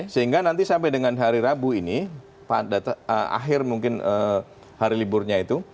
sehingga nanti sampai dengan hari rabu ini pada akhir mungkin hari liburnya itu